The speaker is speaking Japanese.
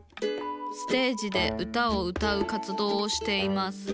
ステージで歌を歌う活動をしています。